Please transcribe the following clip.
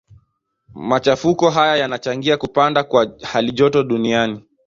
Machafuko hayo yanachangia kupanda kwa halijoto duniani.